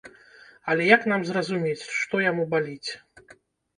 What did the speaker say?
Але як нам зразумець, што яму баліць?